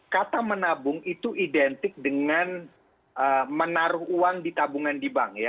kata menabung itu identik dengan menaruh uang di tabungan di bank ya